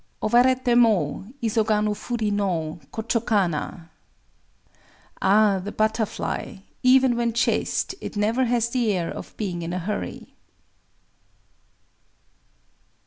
] Owarété mo, Isoganu furi no Chōcho kana! [_Ah, the butterfly! Even when chased, it never has the air of being in a hurry.